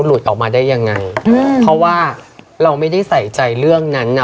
หลุดออกมาได้ยังไงอืมเพราะว่าเราไม่ได้ใส่ใจเรื่องนั้นน่ะ